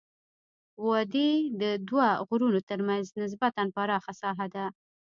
وادي د دوه غرونو ترمنځ نسبا پراخه ساحه ده.